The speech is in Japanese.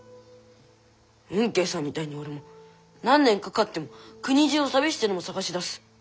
吽慶さんみたいに俺も何年かかっても国じゅうを旅してでも捜し出す。